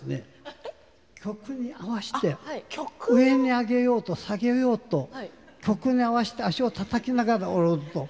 曲に合わして上に上げようと下げようと曲に合わせて足をたたきながら踊ると。